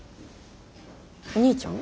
お兄ちゃん？